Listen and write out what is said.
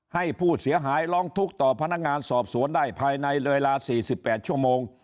ให้ผู้เสียหายร้องทุกข์ต่อพนักงานสอบสวนได้ภายในเวลา๔๘ชั่วโมง